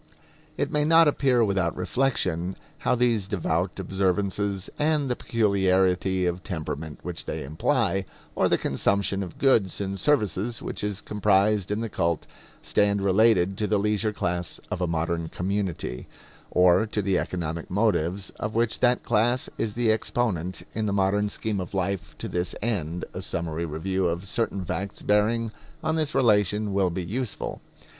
It may not appear without reflection how these devout observances and the peculiarity of temperament which they imply, or the consumption of goods and services which is comprised in the cult, stand related to the leisure class of a modern community, or to the economic motives of which that class is the exponent in the modern scheme of life to this end a summary review of certain facts bearing on this relation will be useful.